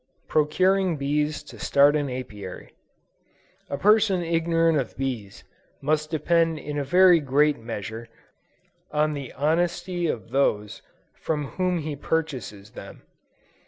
PROCURING BEES TO START AN APIARY. A person ignorant of bees, must depend in a very great measure, on the honesty of those from whom he purchases them.